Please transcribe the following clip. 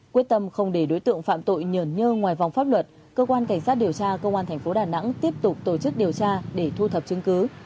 quyết tâm không để đối tượng phạm tội nhờn nhơ ngoài vòng pháp luật cơ quan cảnh sát điều tra công an tp đà nẵng tiếp tục tổ chức điều tra để thu thập chứng cứ